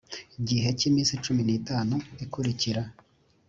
gihe cy iminsi cumi n itanu ikurikira